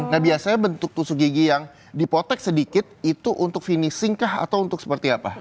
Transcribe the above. nah biasanya bentuk tusuk gigi yang dipotek sedikit itu untuk finishing kah atau untuk seperti apa